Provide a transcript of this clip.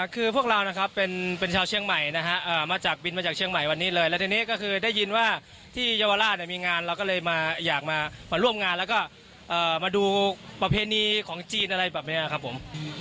คือพวกเรานะครับเป็นชาวเชียงใหม่นะฮะมาจากบินมาจากเชียงใหม่วันนี้เลยแล้วทีนี้ก็คือได้ยินว่าที่เยาวราชมีงานเราก็เลยมาอยากมาร่วมงานแล้วก็มาดูประเพณีของจีนอะไรแบบนี้ครับผม